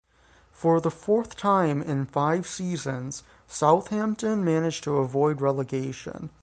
For the fourth time in five seasons, Southampton managed to avoid relegation.